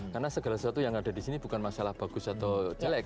karena segala sesuatu yang ada di sini bukan masalah bagus atau jelek